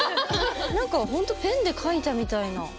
何かほんとペンで書いたみたいな。